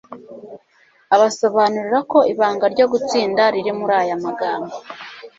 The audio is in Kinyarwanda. Abasobanurira ko ibanga ryo gutsinda riri muri aya magambo: